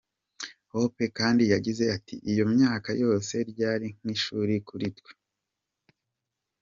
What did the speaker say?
Hope kandi yagize ati: “iyo myaka yose ryari nk’ishuri kuri twe.